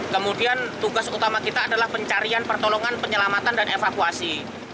kemudian tugas utama kita adalah pencarian pertolongan penyelamatan dan evakuasi